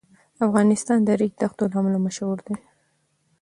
افغانستان د ریګ دښتو له امله مشهور دی.